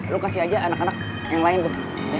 lo kasih aja anak anak yang lain tuh